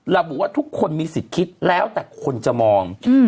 ระบุว่าทุกคนมีสิทธิ์คิดแล้วแต่คนจะมอง